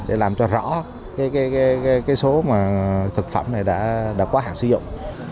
để làm cho rõ số mà thực phẩm này đã quá hạn sử dụng